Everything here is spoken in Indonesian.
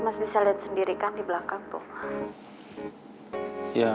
mas bisa lihat sendiri kan di belakang tuh